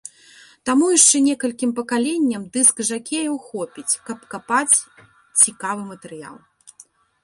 Таму яшчэ некалькім пакаленням дыск-жакеяў хопіць, каб капаць цікавы матэрыял.